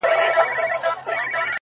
دعا ـ دعا ـدعا ـ دعا كومه ـ